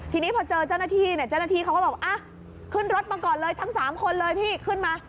ทีนี้พอเจอเจ้าหน้าที่เนี่ยเจ้าหน้าที่เขาก็บอกอ่ะขึ้นรถมาก่อนเลยทั้ง๓คนเลยพี่ขึ้นมา